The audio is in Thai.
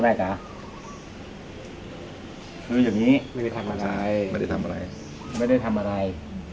จ๋าคืออย่างนี้ไม่ได้ทำอะไรไม่ได้ทำอะไรไม่ได้ทำอะไร